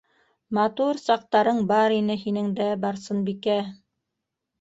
Матур саҡтарың бар ине һинең дә, Барсынбикә!